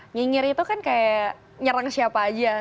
nyinyir itu kan kayak nyerang siapa aja